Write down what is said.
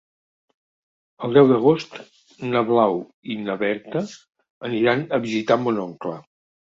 El deu d'agost na Blau i na Berta aniran a visitar mon oncle.